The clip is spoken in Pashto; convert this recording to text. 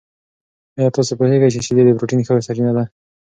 آیا تاسو پوهېږئ چې شیدې د پروټین ښه سرچینه دي؟